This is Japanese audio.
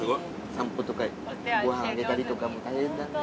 散歩とかご飯あげたりとかも大変だね。